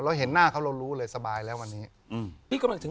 เราเห็นหน้าเขาเรารู้เลยสบายแล้ววันนี้